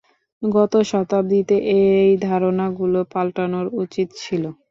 গত শতাব্দীতে এই ধারণা গুলো, পাল্টানোর উচিত ছিলে।